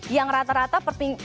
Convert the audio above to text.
yang rata rata per minggunya